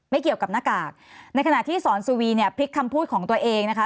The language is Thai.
ไม่เกี่ยวกับหน้ากากในขณะที่สอนสุวีเนี่ยพลิกคำพูดของตัวเองนะคะ